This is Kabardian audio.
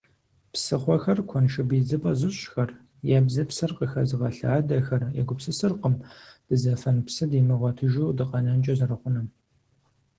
Псыхъуэхэр куэншыб идзыпӀэ зыщӀхэр, ебзыпсыр къыхэзыгъэлъадэхэр егупсысыркъым дызэфэн псы дымыгъуэтыжу дыкъэнэнкӀэ зэрыхъунум.